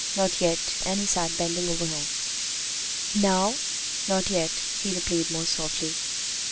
"Not yet," and he sat bending over her. "Now?" "Not yet," he repeated more softly.